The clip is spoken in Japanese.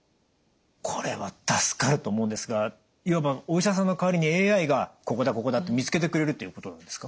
これは助かると思うんですがいわばお医者さんの代わりにＡＩがここだここだって見つけてくれるっていうことなんですか？